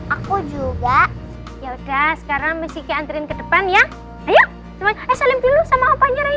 aku juga ya udah sekarang meski antrin ke depan ya ayo saling dulu sama opanya rina